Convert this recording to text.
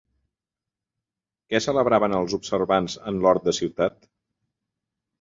Què celebraven els observants en l'hort de Ciutat?